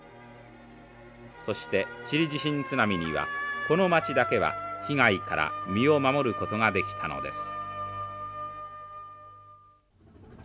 そしてチリ地震津波にはこの町だけは被害から身を守ることができたのです。